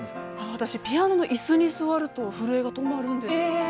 私、ピアノの椅子に座ると震えが止まるんです。